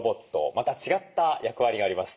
また違った役割があります。